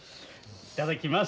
いただきます。